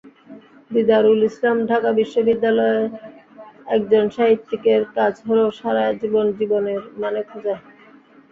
দিদারুল ইসলামঢাকা বিশ্ববিদ্যালয়একজন সাহিত্যিকের কাজ হলো সারা জীবন জীবনের মানে খোঁজা।